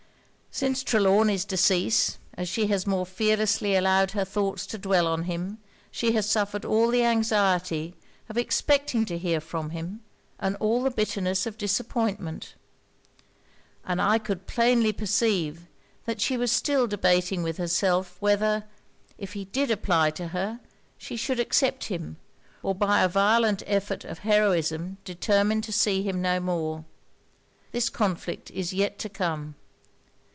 Since Trelawny's decease, as she has more fearlessly allowed her thoughts to dwell on him, she has suffered all the anxiety of expecting to hear from him, and all the bitterness of disappointment. And I could plainly perceive, that she was still debating with herself, whether, if he did apply to her, she should accept him, or by a violent effort of heroism determine to see him no more. This conflict is yet to come.